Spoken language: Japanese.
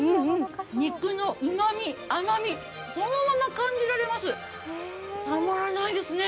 肉のうまみ、甘み、そのまま感じられます、たまらないですね。